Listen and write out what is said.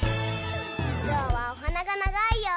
ぞうはおはながながいよ。